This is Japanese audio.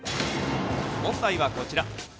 問題はこちら。